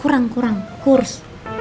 kurang kurang kurs